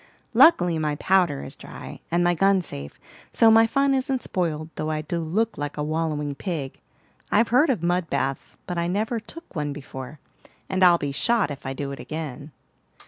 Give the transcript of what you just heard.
"Luckily, my powder is dry and my gun safe; so my fun isn't spoiled, though I do look like a wallowing pig. I've heard of mud baths, but I never took one before, and I'll be shot if I do again."